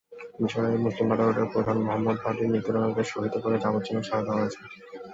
মিসরের মুসলিম ব্রাদারহুডের প্রধান মোহাম্মদ বাদির মৃত্যুদণ্ডাদেশ রহিত করে যাবজ্জীবন সাজা দেওয়া হয়েছে।